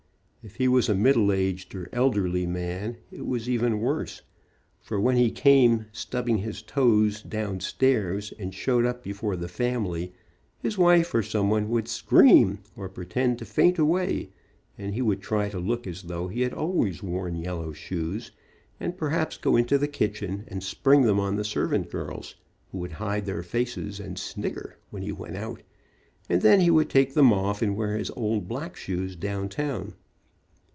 If he was a middle aged, or elderly man, it was even worse, for when he came stubbing his toes down stairs and showed up before the family, his wife or someone would scream, or pretend to faint away, and he would try to look as though he had always worn yellow shoes, and perhaps go into the kitchen and spring them on the servant girls, who would hide their faces, and snicker when he went out, and then he would take them off and wear his old black shoes downtown.